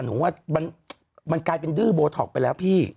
หนูว่ามันกลายเป็นดื้อโบท็อกไปแล้วพี่